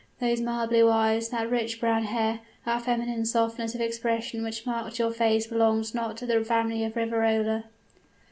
Those mild blue eyes that rich brown hair that feminine softness of expression which marked your face belonged not to the family of Riverola!